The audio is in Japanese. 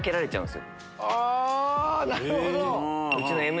あなるほど！